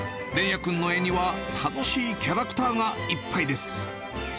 連也君の絵には楽しいキャラクターがいっぱいです。